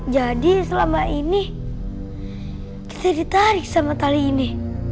jadi selama ini kita ditarik sama tali ini